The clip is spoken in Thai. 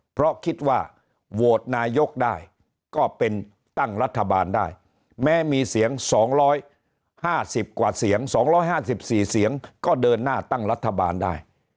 เพราะคิดว่าโหวตนายกได้ก็เป็นตั้งรัฐบาลได้แม้มีเสียง๒๕๐กว่าเสียง๒๕๔เสียงก็เดินหน้าตั้งรัฐบาลได้